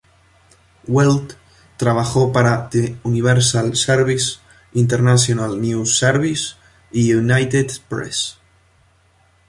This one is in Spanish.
Weld trabajó para The Universal Service, International News Service y United Press.